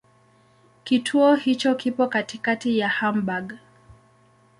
Kituo hicho kipo katikati ya Hamburg.